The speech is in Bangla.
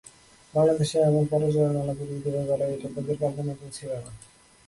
বাংলাদেশ এমন পরাজয়ের মালা পরিয়ে দেবে গলায়, এটা তাদের কল্পনাতেও ছিল না।